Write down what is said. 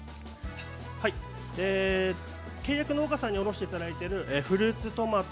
契約農家さんに卸していただいているフルーツトマト